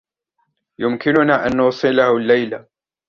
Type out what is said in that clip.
يمكننا أن نوصله الليلة.